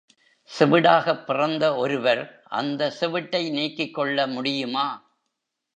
செவிடாகப் பிறந்த ஒருவர் அந்த செவிட்டை நீக்கிக் கொள்ள முடியுமா?